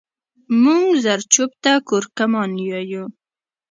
مونږ زرچوب ته کورکمان يايو